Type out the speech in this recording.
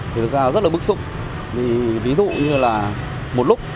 cái thứ hai là rất là bức xúc ví dụ như là một lúc